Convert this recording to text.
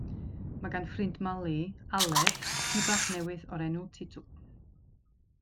Mae gan ffrind Mali, Aled, gi bach newydd o'r enw Titw.